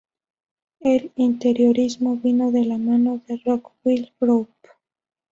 El interiorismo vino de la mano de Rockwell Group.